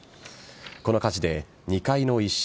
この火事で２階の一室